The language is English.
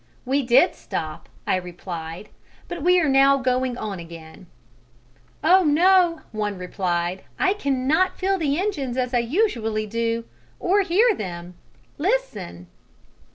"We did stop," I replied, "but we are now going on again.". "Oh, no," one replied; "I cannot feel the engines as I usually do, or hear them. Listen!"